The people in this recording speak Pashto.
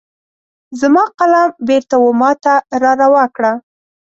زما قلم بیرته وماته را روا کړه